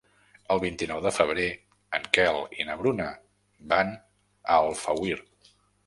El vint-i-nou de febrer en Quel i na Bruna van a Alfauir.